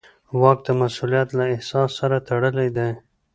واک د مسوولیت له احساس سره تړلی دی.